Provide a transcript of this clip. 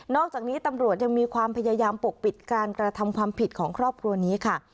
อกจากนี้ตำรวจยังมีความพยายามปกปิดการกระทำความผิดของครอบครัวนี้ค่ะ